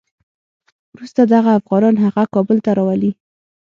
وروسته دغه افغانان هغه کابل ته راولي.